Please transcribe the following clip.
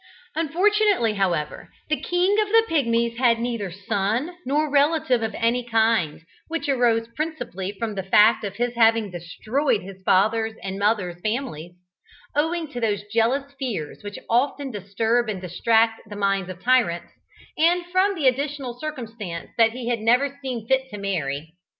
Unfortunately, however, the King of the Pigmies had neither son nor relative of any kind, which arose principally from the fact of his having destroyed his father's and mother's families, owing to those jealous fears which often disturb and distract the minds of tyrants, and from the additional circumstance that he had never seen fit to marry.